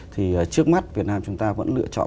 thì trước mắt việt nam chúng ta vẫn lựa chọn